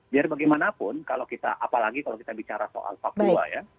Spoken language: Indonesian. biar bagaimanapun apalagi kalau kita bicara soal papua